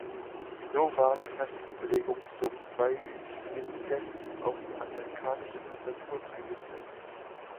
So war die Tastaturbelegung zum Beispiel fest auf amerikanische Tastaturen eingestellt.